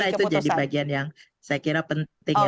karena itu jadi bagian yang saya kira penting ya